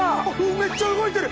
めっちゃ動いてる！